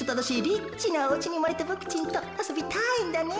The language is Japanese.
リッチなおうちにうまれたボクちんとあそびたいんだね。